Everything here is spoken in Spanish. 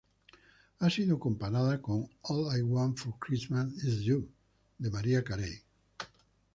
Ha sido comparada con "All I Want for Christmas is You" de Mariah Carey.